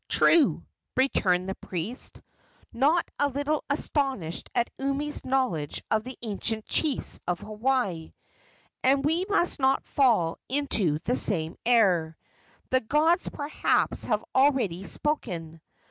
"True," returned the priest, not a little astonished at Umi's knowledge of the ancient chiefs of Hawaii, "and we must not fall into the same error. The gods, perhaps, have already spoken.